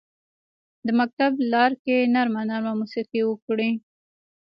د مکتب لارکې نرمه، نرمه موسیقي وکري